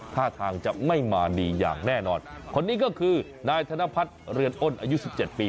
ท่าทางจะไม่มาดีอย่างแน่นอนคนนี้ก็คือนายธนพัฒน์เรือนอ้นอายุสิบเจ็ดปี